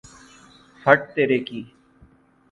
ہت تیرے کی!